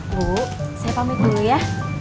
bu saya pamit dulu ya